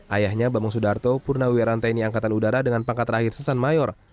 ayahnya bapak sudarto purnaweranteni angkatan udara dengan pangkat terakhir sesan mayor